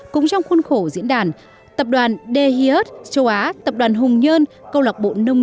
cũng trong khuôn khổ diễn đàn tập đoàn dhih châu á tập đoàn hùng nhơn